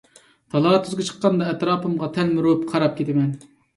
تالا-تۈزگە چىققاندا ئەتراپىمغا تەلمۈرۈپ قاراپ كېتىمەن.